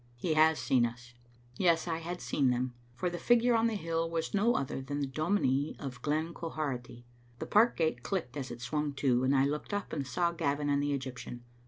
"He has seen us." Yes, I had seen them, for the figure on the hill was no other than the dominie of Glen Quharity. The park gate clicked as it swung to, and I looked up and saw Gavin and the Egyptian.